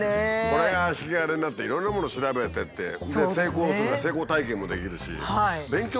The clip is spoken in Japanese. これが引き金になっていろんなもの調べてってで成功する成功体験もできるし。